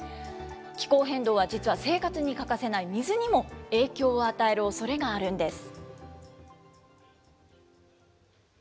気候変動は実は生活に欠かせない水にも影響を与えるおそれがあるんです。